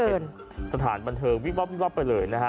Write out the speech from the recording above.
เป็นสถานบันเทิงวิบ๊อบไปเลยนะฮะ